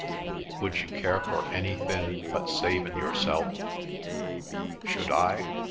"Would you care for anythin' but savin' yourself? Should I?